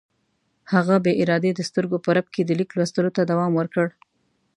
هغه بې ارادې د سترګو په رپ کې د لیک لوستلو ته دوام ورکړ.